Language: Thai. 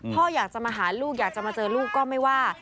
พ่ออยากจะมาหาลูกอยากจะมาเจอลูกก็ไม่ว่า